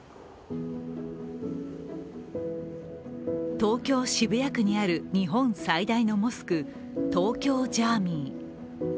東京・渋谷区にある日本最大のモスク、東京ジャーミイ。